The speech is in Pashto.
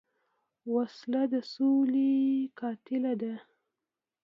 وسله د سولې قاتله ده